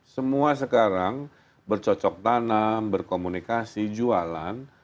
semua sekarang bercocok tanam berkomunikasi jualan